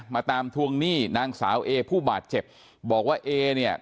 มาตามทวงหนี้นางสาวเอผู้บาดเจ็บบอกว่าเอเนี่ย